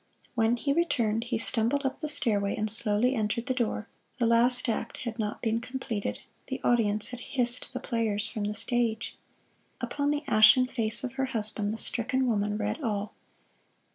When he returned he stumbled up the stairway and slowly entered the door. The last act had not been completed the audience had hissed the players from the stage! Upon the ashen face of her husband, the stricken woman read all.